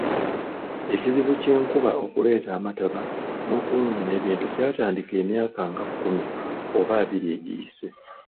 Ekizibu ky’enkuba okuleeta amataba n'okwonoona ebintu kyatandika emyaka nga kkumi oba abiri egiyise.